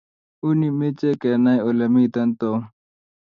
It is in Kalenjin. Uni meche kenai ole mito Tom